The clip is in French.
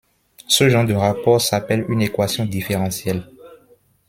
Ce genre de rapport s'appelle une équation différentielle.